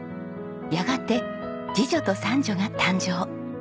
やがて次女と三女が誕生。